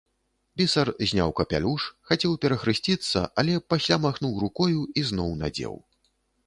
Пісар зняў капялюш, хацеў перахрысціцца, але пасля махнуў рукою і зноў надзеў.